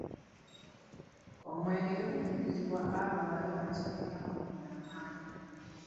Omwenge tegukkirizibwa abo abali wansi w’emyaka kkumi na munaana.